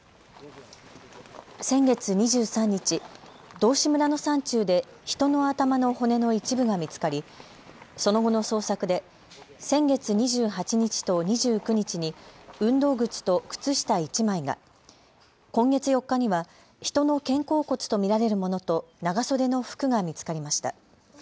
先月２３日、道志村の山中で人の頭の骨の一部が見つかりその後の捜索で先月２８日と２９日に運動靴と靴下１枚が、今月４日には人の肩甲骨と見られるものと長袖の服が見つかりました。